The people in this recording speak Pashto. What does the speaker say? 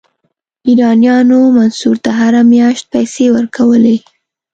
ایرانیانو منصور ته هره میاشت پیسې ورکولې.